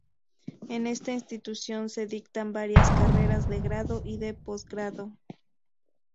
En esta institución se dictan varias carreras de grado y de posgrado.